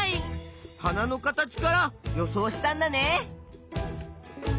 花の形から予想したんだね。